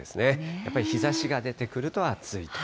やっぱり日ざしが出てくると暑いと。